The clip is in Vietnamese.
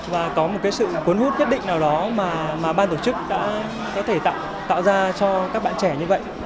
và có một cái sự cuốn hút nhất định nào đó mà ban tổ chức đã có thể tạo ra cho các bạn trẻ như vậy